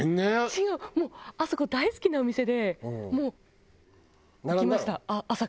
違うあそこ大好きなお店でもう行きました朝から。